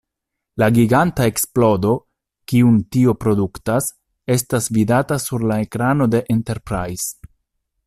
La giganta eksplodo, kiun tio produktas, estas vidata sur la ekrano de Enterprise.